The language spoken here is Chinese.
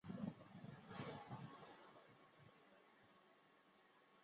后来交趾太守士燮任命程秉为长史。